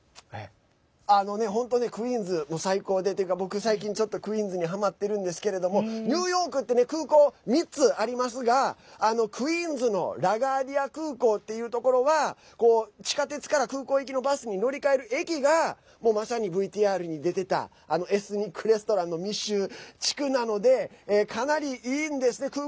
本当、クイーンズ最高で僕、最近ちょっとクイーンズにはまってるんですけれどもニューヨークって空港３つありますがクイーンズのラガーディア空港っていうところは地下鉄から空港行きのバスに乗り換える駅がまさにＶＴＲに出てたあのエスニックレストランの密集地区なのでかなり、いいんですね。